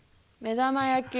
目玉焼き。